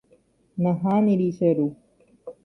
Nahániri che ru.